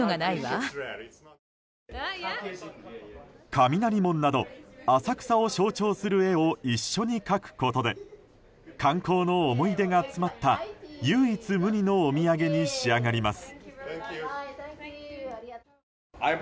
雷門など浅草を象徴する絵を一緒に描くことで観光の思い出が詰まった唯一無二のお土産に仕上がります。